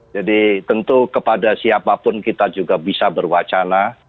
jadi tentu kepada siapapun kita juga bisa berwacana